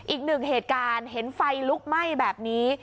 อีกหนึ่งเหตุการณ์เห็นไฟลุกไหม้แบบนี้